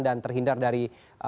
dan terhindar dari